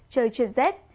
trời truyền rết